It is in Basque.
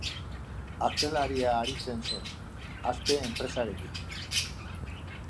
Atzelaria aritzen zen, Aspe enpresarekin.